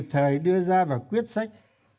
kiệp thời đưa ra và quyết sách